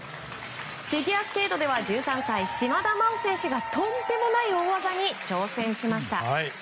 フィギュアスケートでは１３歳、島田麻央選手がとんでもない大技に挑戦しました。